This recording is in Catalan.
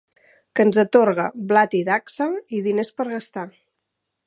Que ens atorgue blat i dacsa, i diners per a gastar.